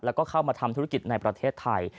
แล้วก็เข้ามาทำธุรกิจในประเทศไทย